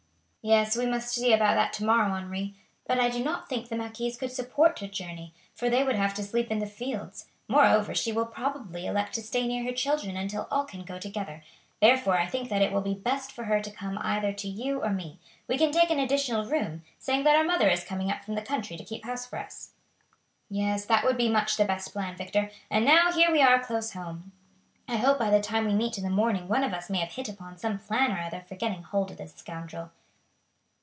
"Yes, we must see about that to morrow, Henri; but I do not think the marquise could support a journey, for they would have to sleep in the fields. Moreover, she will probably elect to stay near her children until all can go together. Therefore I think that it will be best for her to come either to you or me. We can take an additional room, saying that our mother is coming up from the country to keep house for us." "Yes, that would be much the best plan, Victor. And now here we are close home. I hope by the time we meet in the morning one of us may have hit upon some plan or other for getting hold of this scoundrel."